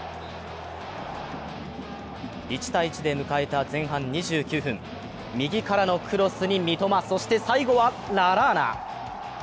１−１で迎えた前半２９分、右からのクロスに三笘、そして、最後はララーナ。